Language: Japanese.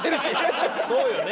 そうよね。